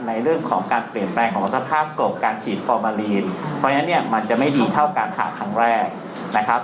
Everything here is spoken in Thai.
ในเรื่องของการเปลี่ยนแปลงของสภาพศพการฉีดฟอร์มาลีนเพราะฉะนั้นเนี่ยมันจะไม่ดีเท่าการผ่าครั้งแรกนะครับ